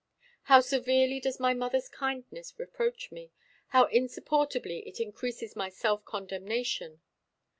"How severely does my mother's kindness reproach me! How insupportably it increases my self condemnation!"